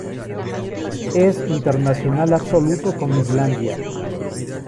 Es internacional absoluto con Islandia.